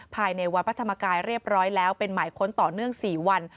ภายในวัดพระธรรมกายเรียบร้อยแล้วเป็นหมายค้นต่อเนื่อง๔วัน